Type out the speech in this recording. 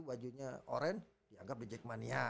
bajunya oran dianggap di jackmania